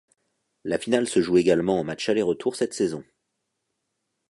La finale se joue également en match aller-retour cette saison.